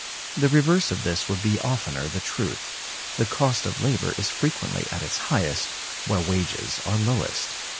The reverse of this would be oftener the truth: the cost of labor is frequently at its highest where wages are lowest.